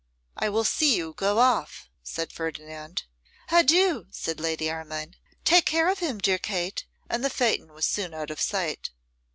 'I will see you go off,' said Ferdinand. 'Adieu!' said Lady Armine. 'Take care of him, dear Kate,' and the phaeton was soon out of sight.